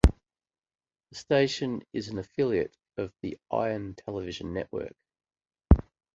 The station is an affiliate of the Ion Television network.